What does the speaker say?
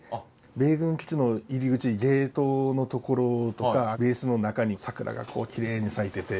米軍基地の入り口ゲートのところとかベースの中に桜がこうきれいに咲いてて。